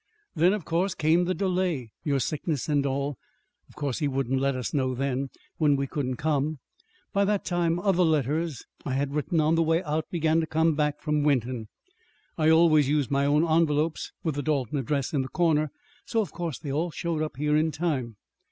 "Then, of course, came the delay, your sickness, and all. Of course he wouldn't let us know then when we couldn't come. By that time other letters I had written on the way out began to come back from Wenton. (I always used my own envelopes with the Dalton address in the corner, so of course they all showed up here in time.)